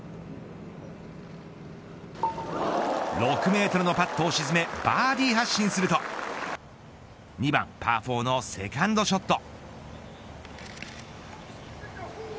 ６メートルのパットを沈めバーディー発進すると２番パー４のセカンドショット。